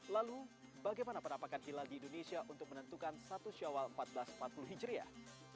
lalu bagaimana penampakan hilal di indonesia untuk menentukan satu syawal seribu empat ratus empat puluh hijriah